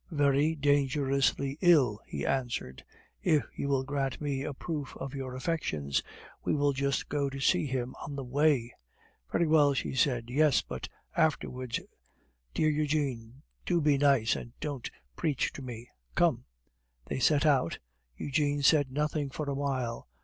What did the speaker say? "Very dangerously ill," he answered; "if you will grant me a proof of your affections, we will just go in to see him on the way." "Very well," she said. "Yes, but afterwards. Dear Eugene, do be nice, and don't preach to me. Come." They set out. Eugene said nothing for a while.